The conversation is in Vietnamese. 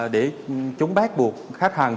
để chúng bác buộc khách hàng